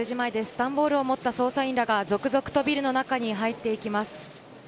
段ボールを持った捜査員らが続々とビルの中に入っていきます。